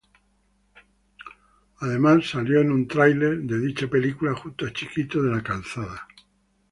Además salió en un tráiler de dicha película junto a Chiquito de la Calzada.